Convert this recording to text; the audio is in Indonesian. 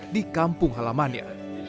di kampung halamannya